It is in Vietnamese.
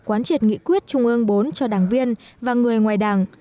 quán triệt nghị quyết trung ương bốn cho đảng viên và người ngoài đảng